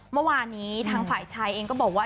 เมื่อวานนี้ทางฝ่ายชายเองก็บอกว่า